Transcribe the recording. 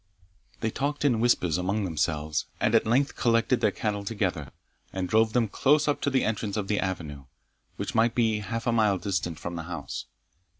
They talked in whispers among themselves, and at length collected their cattle together, and drove them close up to the entrance of the avenue, which might be half a mile distant from the house.